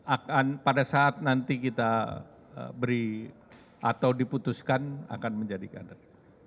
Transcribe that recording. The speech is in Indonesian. akan pada saat nanti kita beri atau diputuskan akan menjadi kader